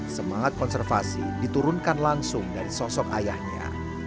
semangat konservasi diturunkan langsung dari sosok ayahnya